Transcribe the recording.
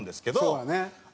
そうやね。